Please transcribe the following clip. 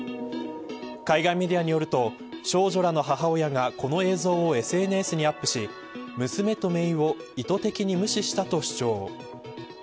海外メディアによると少女らの母親がこの映像をＳＮＳにアップし娘とめいを意図的に無視したと主張。